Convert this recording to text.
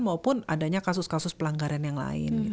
maupun adanya kasus kasus pelanggaran yang lain